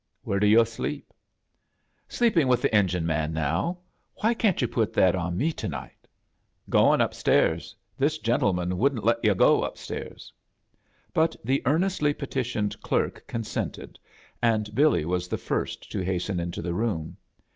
"'^lere do yo* sleep?" "Sleeping with the engioe man now^ Why can't ^m pot that on me to night?" "Goin' up stairs. This gentleman wouldn't let yu' go up stairs." But the earnestly petHiooed clerk con sented, and BiUy was the first to hasten into the room.